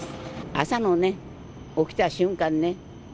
朝のね、起きた瞬間ね。